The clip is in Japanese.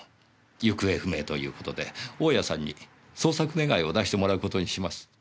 行方不明という事で大家さんに捜索願を出してもらう事にします。